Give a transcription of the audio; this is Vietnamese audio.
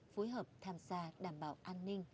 phối hợp tham gia đảm bảo an ninh